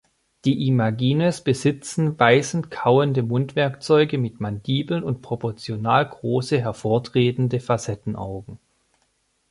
Die Imagines besitzen beißend-kauende Mundwerkzeuge mit Mandibeln und proportional große, hervortretende Facettenaugen.